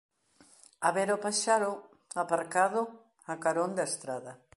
A ver o paxaro aparcado a carón da estrada.